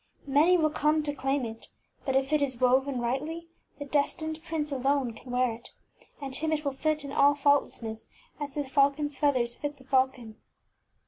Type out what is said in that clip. Many will come to claim it, but if it is woven rightly the destined prince alone can wear it, and him it will fit in all fault %f\t Wbttz Hflleabotf lessness, as the falconŌĆÖs feathers fit the falcon.